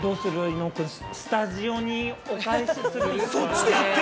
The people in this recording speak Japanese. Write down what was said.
伊野尾君スタジオにお返しする？